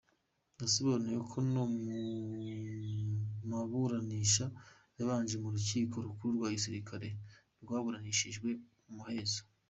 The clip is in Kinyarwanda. Yasobanuye ko no mu maburanisha yabanje mu Rukiko Rukuru rwa Gisirikare rwaburanishijwe mu muhezo.